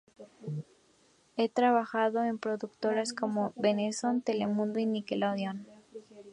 Ha trabajado en productoras como Venevisión, Telemundo y Nickelodeon.